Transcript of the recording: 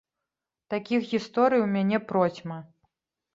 Такіх гісторый у мяне процьма!